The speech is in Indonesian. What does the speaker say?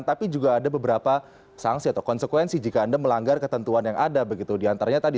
tapi juga ada beberapa sanksi atau konsekuensi jika anda melanggar ketentuan yang ada begitu diantaranya tadi